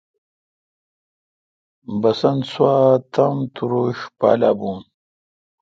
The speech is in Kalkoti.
بسنت سوا تمتوروݭ پالا بون۔